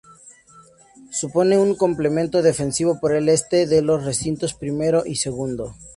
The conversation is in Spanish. Supone un complemento defensivo por el Este de los recintos primero y segundo.